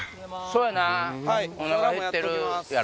そうやな。